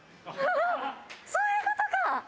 あっ、そういうことか！